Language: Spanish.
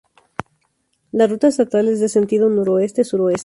La Ruta Estatal es de sentido noroeste-sureste.